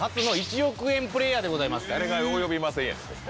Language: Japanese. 誰が及びませんやねんホンマ。